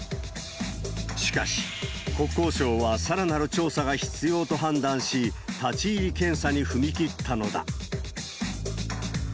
しかし、国交省はさらなる調査が必要と判断し、立ち入り検査に踏み切ったのだ。